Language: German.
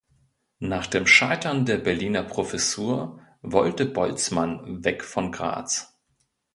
Nach dem Scheitern der Berliner Professur wollte Boltzmann weg von Graz.